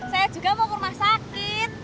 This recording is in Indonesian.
saya juga mau ke rumah sakit